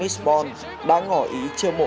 miss bond đã ngỏ ý trương mộ